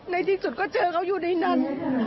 ในที่สุดก็เจอเขาอยู่ในนั้น